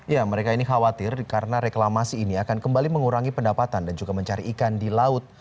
ya mereka ini khawatir karena reklamasi ini akan kembali mengurangi pendapatan dan juga mencari ikan di laut